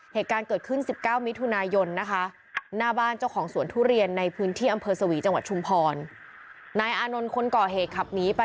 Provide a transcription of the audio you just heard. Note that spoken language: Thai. เหตุการณ์เกิดขึ้น๑๙มิตรฮุนายนต์นะคะ